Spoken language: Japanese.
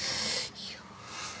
いや。